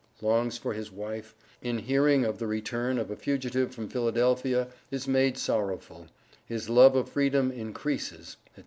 _Longs for his wife In hearing of the return of a Fugitive from Philadelphia is made sorrowful His love of Freedom increases, &c.